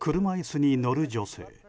車椅子に乗る女性。